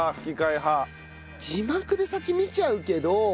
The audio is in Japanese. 字幕で先見ちゃうけど。